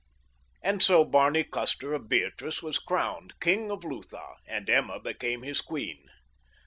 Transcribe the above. And so Barney Custer, of Beatrice, was crowned King of Lutha, and Emma became his queen.